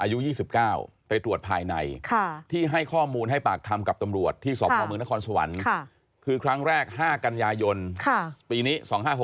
อายุ๒๙ไปตรวจภายในที่ให้ข้อมูลให้ปากคำกับตำรวจที่สพมนครสวรรค์คือครั้งแรก๕กันยายนปีนี้๒๕๖๖